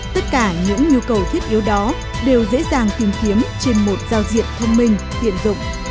tất cả những nhu cầu thiết yếu đó đều dễ dàng tìm kiếm trên một giao diện thông minh tiện dụng